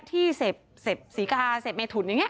ที่เสพศรีกาเสพเมถุนอย่างนี้